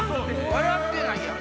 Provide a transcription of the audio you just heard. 笑ってないやん。